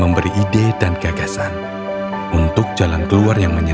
menjadi tiga pemasaran ekonomi yang itu